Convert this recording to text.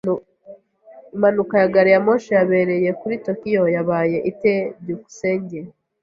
Impanuka ya gari ya moshi yabereye kuri Tokiyo yabaye ite? byukusenge